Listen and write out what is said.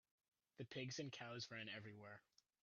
The pigs and cows ran everywhere.